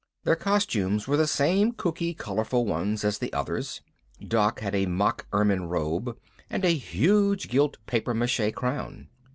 Their costumes were the same kooky colorful ones as the others'. Doc had a mock ermine robe and a huge gilt papier mache crown.